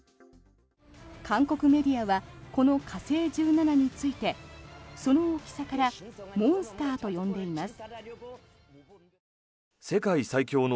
韓国メディアはこの火星１７についてその大きさからモンスターと呼んでいます。